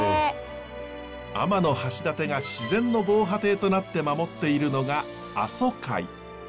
天橋立が自然の防波堤となって守っているのが阿蘇海。